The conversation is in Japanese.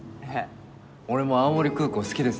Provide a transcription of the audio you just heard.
俺も青森空港好きです。